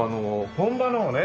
本場のをね。